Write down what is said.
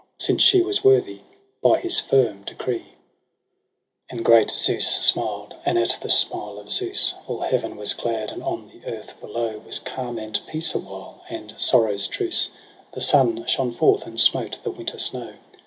Since she was worthy, by his firm decree. FEBRUARY 209 And great Zeus smiled; and at the smile of Zeus All heaven was glad, and on the earth below Was calm and peace awhile and sorrow's truce : The sun shone forth and smote the winter snow.